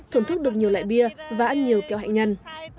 thưởng thức được nhiều loại bia và ăn nhiều kẹo hạnh nhân